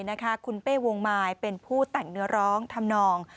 คุณเป้วงมายเป็นผู้แต่งเนื้อร้องทำนอง